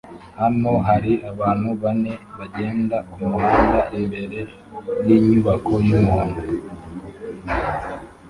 Hano hari abantu bane bagenda mumuhanda imbere yinyubako yumuhondo